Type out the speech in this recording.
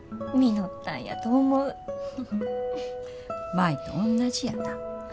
舞とおんなじやな。